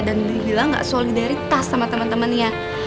dan diri bilang gak solidaritas sama temen temennya